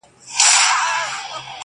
په نوراني غېږ کي دي مه لویوه؛